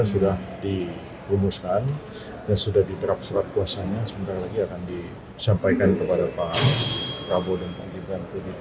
sudah diumuskan sudah diterap selat kuasanya sebentar lagi akan disampaikan kepada pak prabowo dan pak gita